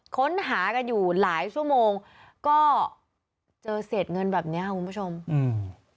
ค้นหากันอยู่หลายชั่วโมงก็เจอเศษเงินแบบเนี้ยค่ะคุณผู้ชมอืม